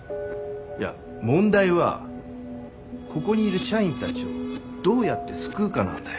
いや問題はここにいる社員たちをどうやって救うかなんだよ。